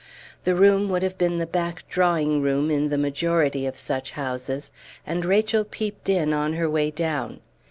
The room would have been the back drawing room in the majority of such houses, and Rachel peeped in on her way down.